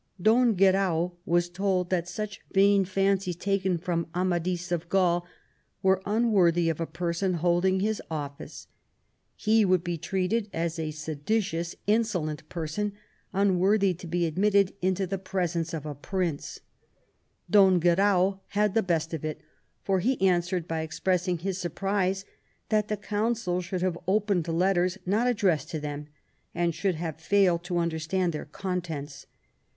Don Guerau was told that "such vain fancies taken from Amadis of Gaul were unworthy of a person holding his office. He would be treated as a seditious, insolent person, unworthy to be admitted into the presence of a Prince/^ Don Guerau had the best of it, for he answered by expressing his surprise that the Council should have opened letters not addressed to them, and should have failed to understand their contents.